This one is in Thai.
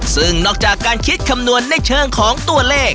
ซึ่งนอกจากการคิดคำนวณในเชิงของตัวเลข